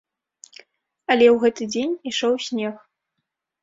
Але ў гэты дзень ішоў снег.